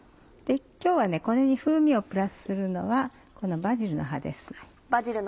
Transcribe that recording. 今日はこれに風味をプラスするのはこのバジルの葉です。